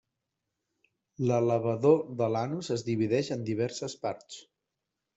L'elevador de l'anus es divideix en diverses parts.